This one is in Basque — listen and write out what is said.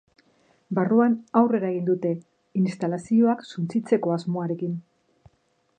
Barruan aurrera egin dute, instalazioak suntsitzeko asmoarekin.